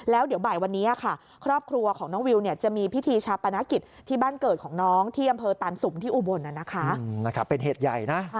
แล้วเดี๋ยวบ่ายวันเนี้ยค่ะ